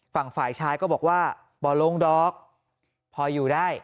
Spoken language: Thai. ฝ่ายชายก็บอกว่าบ่อลงดอกพออยู่ได้